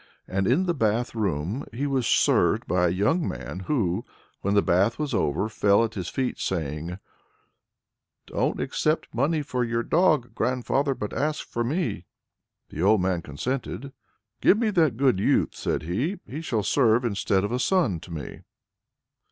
And in the bath room he was served by a young man who, when the bath was over, fell at his feet, saying, "Don't accept money for your dog, grandfather, but ask for me!" The old man consented. "Give me that good youth," said he. "He shall serve instead of a son to me."